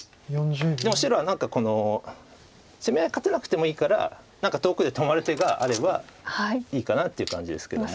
でも白はこの攻め合い勝てなくてもいいから何か遠くで止まる手があればいいかなっていう感じですけども。